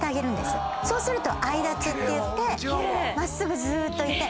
そうするとＩ立ちっていって真っすぐずーっといて。